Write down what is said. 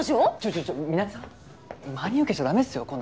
ちょちょミナレさん真に受けちゃダメっすよこんな話。